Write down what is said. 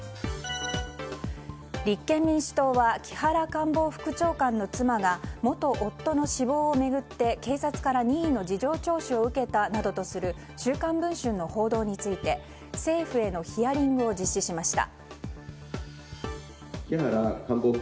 立憲民主党は木原官房副長官の妻が元夫の死亡を巡って警察から任意の事情聴取を受けたなどとする「週刊文春」の報道について政府へのヒアリングを実施しました。